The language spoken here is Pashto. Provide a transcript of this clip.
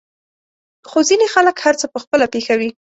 خو ځينې خلک هر څه په خپله پېښوي.